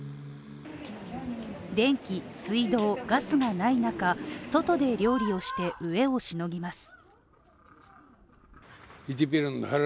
電気、水道、ガスがない中、外で料理をして、飢えをしのぎます。